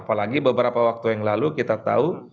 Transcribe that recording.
apalagi beberapa waktu yang lalu kita tahu